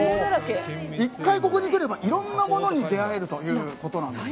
１回ここに来ればいろんなものに出会えるということです。